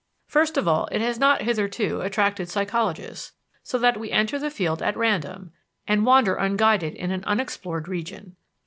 First of all, it has not hitherto attracted psychologists, so that we enter the field at random, and wander unguided in an unexplored region.